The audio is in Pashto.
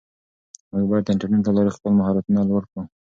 موږ باید د انټرنیټ له لارې خپل مهارتونه لوړ کړو.